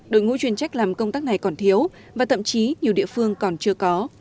đội ngũ chuyên trách làm công tác này còn thiếu và thậm chí nhiều địa phương còn chưa có